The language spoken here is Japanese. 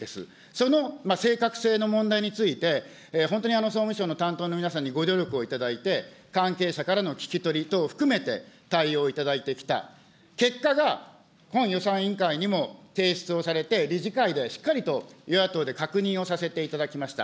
その正確性の問題について、本当に総務省の担当の皆さんにご努力をいただいて、関係者からの聞き取り等を含めて、対応いただいてきた結果が、本予算委員会にも提出をされて理事会でしっかりと与野党で確認をさせていただきました。